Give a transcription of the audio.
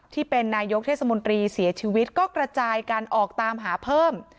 ที่เป็นนายกเทศมนตรีเสียชีวิตก็กระจายกันออกตามหาเพิ่ม